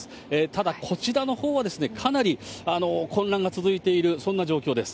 ただ、こちらのほうはかなり混乱が続いている、そんな状況です。